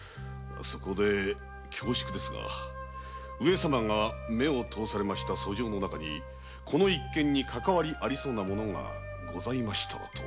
恐縮ですが上様が目を通されました訴状の中にこの一件にかかわりありそうなものがありましたらと。